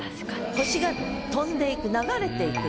星が飛んでいく流れていく。